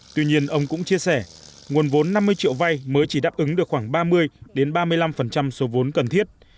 tuy nhiên ông cũng chia sẻ nguồn vốn năm mươi triệu vay mới chỉ đáp ứng được khoảng ba mươi ba mươi năm số vốn cần thiết